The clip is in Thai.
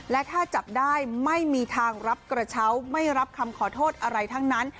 และถ้าจับได้ไม่มีทางรับกระเช้าไม่รับคำขอโทษอะไรทั้งนั้น